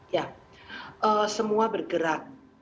ya semua bergerak